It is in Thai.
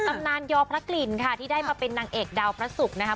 ตำนานยอพระกลิ่นค่ะที่ได้มาเป็นนางเอกดาวพระศุกร์นะคะ